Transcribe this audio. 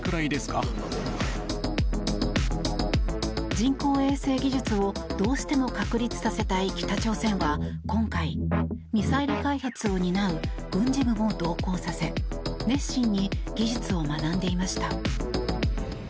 人工衛星技術をどうしても確立させたい北朝鮮は今回、ミサイル開発を担う軍事部も同行させ熱心に技術を学んでいました。